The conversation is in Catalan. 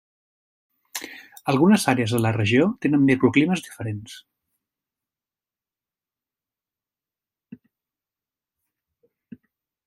Algunes àrees de la regió tenen microclimes diferents.